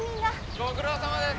ご苦労さまです！